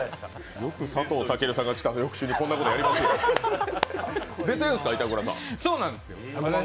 よく佐藤健さんが来た翌週にこんなことやりますよ。